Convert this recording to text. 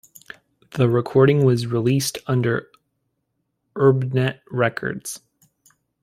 The recording was released under Urbnet records.